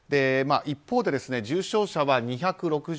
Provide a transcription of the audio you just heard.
一方で重症者は２６１人